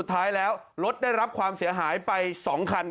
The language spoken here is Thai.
ท้ายแล้วรถได้รับความเสียหายไป๒คัน